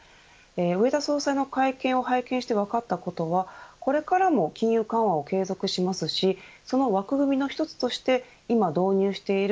植田総裁の会見を拝見して分かったことはこれからも金融緩和を継続しますしその枠組みの１つとして今導入している